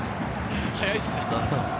早いですね。